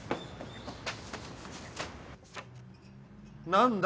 何だ？